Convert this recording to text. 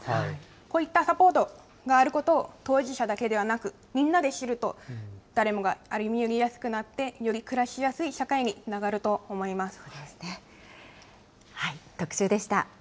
こういったサポートがあることを当事者だけではなく、みんなで知ると、誰もが歩み寄りやすくなってより暮らしやすい社会につながそうですね。